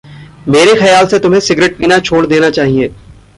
मेरे ख़याल से तुम्हे सिगरेट पीना छोड़ देना चहिए।